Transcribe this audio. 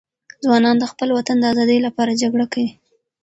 ځوانان د خپل وطن د آزادۍ لپاره جګړه کوي.